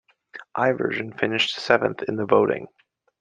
Iverson finished seventh in the voting.